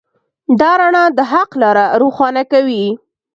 دا رڼا د حق لاره روښانه کوي.